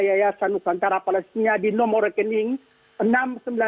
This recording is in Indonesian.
dan juga berikan dukungan kepada saudara saudara kita